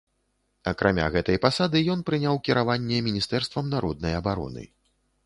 Акрамя гэтай пасады, ён прыняў кіраванне міністэрствам народнай абароны.